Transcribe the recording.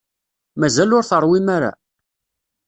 Mazal ur teṛwim ara?